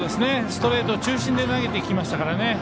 ストレート中心で投げてきてましたからね。